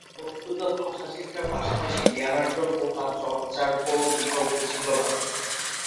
বস্তুত ভাষা শিক্ষার পাশাপাশি জ্ঞানার্জন ও তা চর্চার কোনো বিকল্প ছিল না।